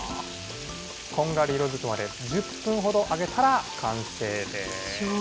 こんがり色づくまで１０分ほど揚げたら完成です。